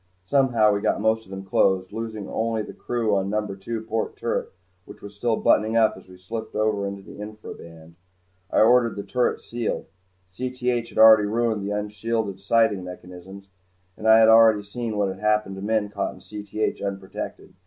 Somehow we got most of them closed, losing only the crew on number two port turret which was still buttoning up as we slipped over into the infra band. I ordered the turret sealed. Cth had already ruined the unshielded sighting mechanisms and I had already seen what happened to men caught in Cth unprotected.